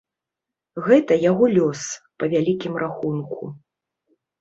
Гэта яго лёс, па вялікім рахунку.